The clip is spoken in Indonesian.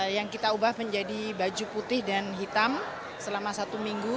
yang kita ubah menjadi baju putih dan hitam selama satu minggu